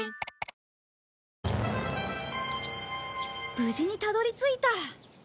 無事にたどり着いた。